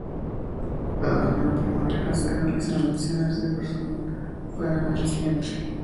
Cada año, en la primavera, se realizan elecciones del personal para el año siguiente.